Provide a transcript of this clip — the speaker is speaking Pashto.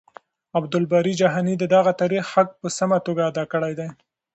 عبدالباري جهاني د دغه تاريخ حق په سمه توګه ادا کړی دی.